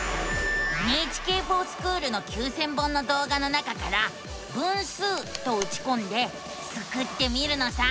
「ＮＨＫｆｏｒＳｃｈｏｏｌ」の９，０００本の動画の中から「分数」とうちこんでスクってみるのさ！